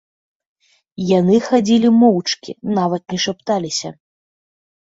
Яны хадзілі моўчкі, нават не шапталіся.